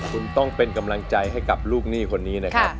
คุณต้องเป็นกำลังใจให้กับลูกหนี้คนนี้นะครับ